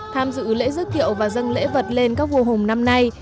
tham dự lễ rước kiệu và dân lễ vật lên các vùa hùng năm nay